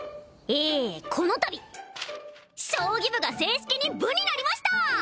えこの度将棋部が正式に部になりました！